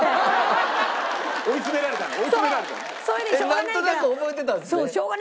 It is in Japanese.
なんとなく覚えてたんですね？